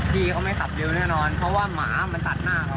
พี่เขาไม่ขับเร็วแน่นอนเพราะว่าหมามันตัดหน้าเขา